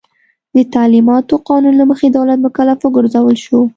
د تعلیماتو قانون له مخې دولت مکلف وګرځول شو.